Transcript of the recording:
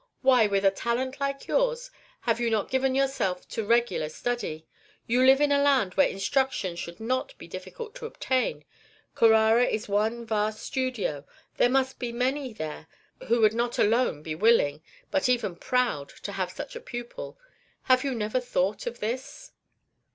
"Why, with a talent like yours, have you not given yourself to regular study? You live in a land where instruction should not be difficult to obtain. Carrara is one vast studio; there must be many there who would not alone be willing, but even proud, to have such a pupil. Have you never thought of this?"